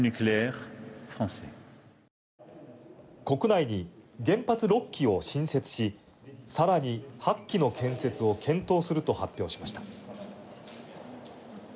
国内に原発６基を新設しさらに８基の建設を検討すると発表しました。